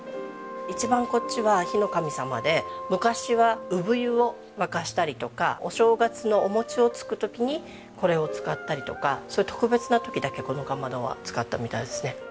一番こっちは火の神様で昔は産湯を沸かしたりとかお正月のお餅をつく時にこれを使ったりとかそういう特別な時だけこのかまどは使ったみたいですね。